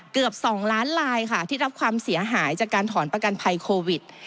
เกือบ๒ล้านลายค่ะที่รับความเสียหายจากการถอนประกันภัยโควิด